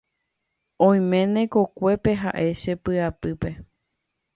oiméne kokuépe ha'e che py'apýpe